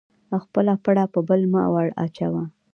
خپله پړه په بل مه ور اچوه